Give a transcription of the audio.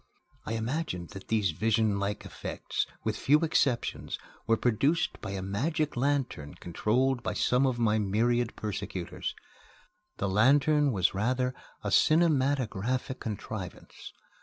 I imagined that these visionlike effects, with few exceptions, were produced by a magic lantern controlled by some of my myriad persecutors. The lantern was rather a cinematographic contrivance.